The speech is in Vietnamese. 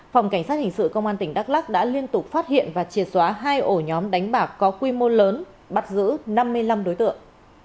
phòng cảnh sát hình sự công an tỉnh đắk lắc đã liên tục phát hiện và triệt xóa hai ổ nhóm đánh bạc có quy mô lớn bắt giữ năm mươi năm đối tượng